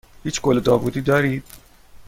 هیچ گل داوودی دارید؟